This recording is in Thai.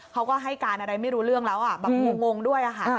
เขาก็ให้การอะไรไม่รู้เรื่องแล้วแบบงงด้วยค่ะ